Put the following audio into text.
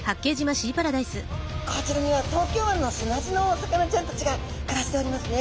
こちらには東京湾の砂地のお魚ちゃんたちが暮らしておりますね。